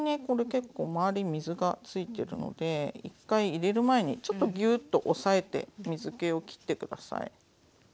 これ結構周り水がついてるので１回入れる前にちょっとぎゅっと押さえて水けを切って下さい。